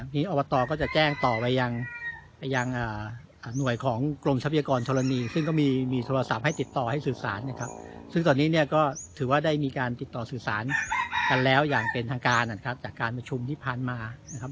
อบตก็จะแจ้งต่อไปยังไปยังหน่วยของกรมทรัพยากรธรณีซึ่งก็มีโทรศัพท์ให้ติดต่อให้สื่อสารนะครับซึ่งตอนนี้เนี่ยก็ถือว่าได้มีการติดต่อสื่อสารกันแล้วอย่างเป็นทางการนะครับจากการประชุมที่ผ่านมานะครับ